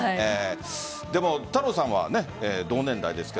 太郎さんは同年代ですか？